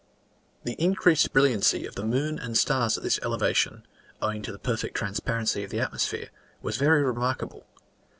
The increased brilliancy of the moon and stars at this elevation, owing to the perfect transparency of the atmosphere, was very remarkable.